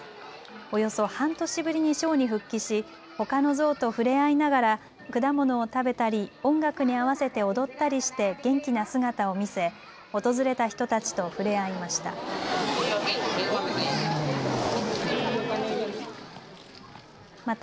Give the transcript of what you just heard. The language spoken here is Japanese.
およそ半年ぶりにショーに復帰しほかのゾウと触れ合いながら果物を食べたり、音楽に合わせて踊ったりして元気な姿を見せ訪れた人たちと触れ合いました。